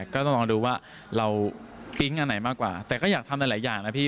ก็ต้องลองดูว่าเราปิ๊งอันไหนมากกว่าแต่ก็อยากทำหลายอย่างนะพี่